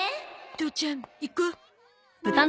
父ちゃん行こ。